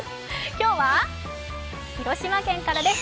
今日は広島県からです。